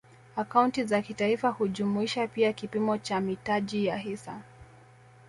Akaunti za kitaifa hujumuisha pia kipimo cha mitaji ya hisa